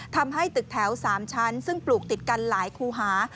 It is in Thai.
ทำให้ตึกแถว๓ชั้นซึ่งปลูกติดกันหลายคูหา